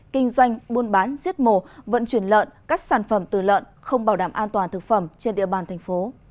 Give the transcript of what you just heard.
kinh doanh buôn bán giết mổ vận chuyển lợn cắt sản phẩm từ lợn không bảo đảm an toàn thực phẩm trên địa bàn tp